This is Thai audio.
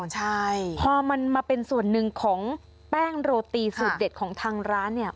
ใช่พอมันมาเป็นส่วนหนึ่งของแป้งโรตีสูตรเด็ดของทางร้านเนี่ย